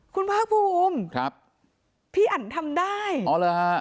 คุณภาคภูมิครับพี่อันทำได้อ๋อเหรอฮะ